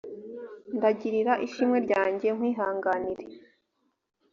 ndagirira ishimwe ryanjye nkwihanganire